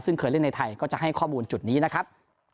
ซึ่งเคยเล่นในไทยก็จะให้ข้อมูลจุดนี้นะครับ